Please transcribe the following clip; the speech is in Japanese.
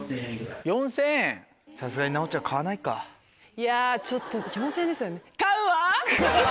いやちょっと４０００円ですよね。